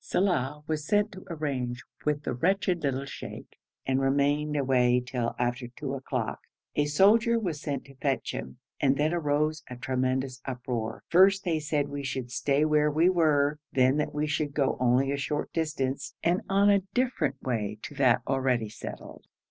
Saleh was sent to arrange with the wretched little sheikh, and remained away till after two o'clock. A soldier was sent to fetch him, and then arose a tremendous uproar. First they said we should stay where we were, then that we should go only a short distance, and on a different way to that already settled.